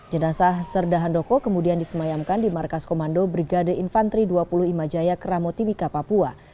jenazah serdahan doko kemudian disemayamkan di markas komando brigade infantri dua puluh imajaya keramoti bika papua